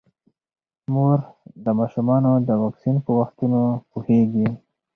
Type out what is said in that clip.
مور د ماشومانو د واکسین په وختونو پوهیږي.